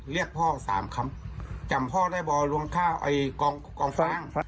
เรียกพ่อสามคำจำพ่อได้บ่อลวงข้าวไอ้กองกองฟาง